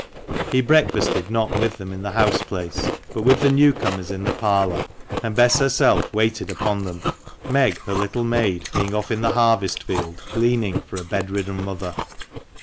He breakfasted not with them in the house place, but with the new comers in the parlour, and Bess herself waited upon them, Meg, her little maid, being off in the harvest field gleaning for a bed ridden mother.